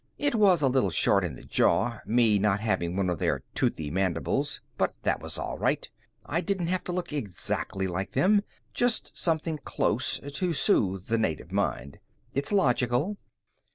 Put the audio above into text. It was a little short in the jaw, me not having one of their toothy mandibles, but that was all right. I didn't have to look exactly like them, just something close, to soothe the native mind. It's logical.